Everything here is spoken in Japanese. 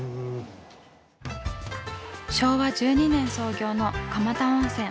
昭和１２年創業の蒲田温泉。